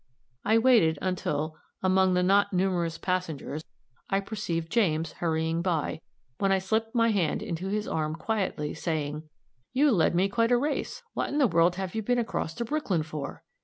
I waited until, among the not numerous passengers, I perceived James hurrying by, when I slipped my hand into his arm quietly, saying, "You led me quite a race what in the world have you been across to Brooklyn for?"